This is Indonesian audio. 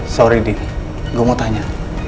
sorry deh gue mau tanya